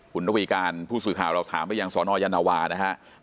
คุณระวีการผู้สื่อข่าวเราถามไปยังสนยานวานะครับ